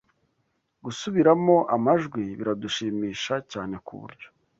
Gusubiramo amajwi biradushimisha cyane kuburyo